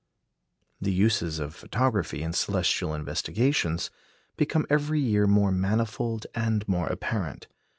The uses of photography in celestial investigations become every year more manifold and more apparent.